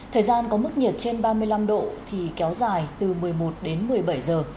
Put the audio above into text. thời gian có mức nhiệt trên ba mươi năm độ thì kéo dài từ một mươi một đến một mươi bảy giờ